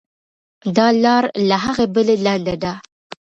دا لار له هغې بلې لنډه ده.